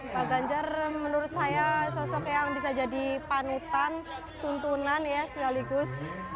pak ganjar menurut saya sosok yang bisa jadi panutan tuntunan ya sekaligus